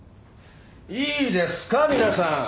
いいですか皆さん。